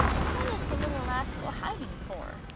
"What is the Uttle rascal hiding for?"